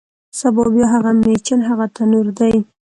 سبا بیا هغه میچن، هغه تنور دی